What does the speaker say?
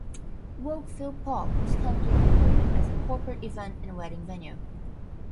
Wokefield Park is currently operated as a corporate event and wedding venue.